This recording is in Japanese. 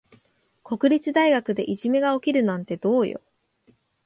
国立大学でいじめが起きるなんてどうよ。